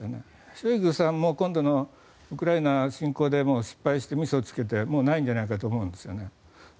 ショイグさんも今度のウクライナ侵攻でもう失敗して、みそをつけてないんじゃないかと思うんです。